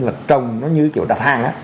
mà trồng nó như kiểu đặt hàng á